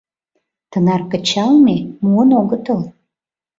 Тынар кычалме — муын огытыл.